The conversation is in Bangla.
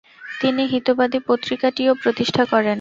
তিনি হিতবাদী পত্রিকাটিও প্রতিষ্ঠা করেন।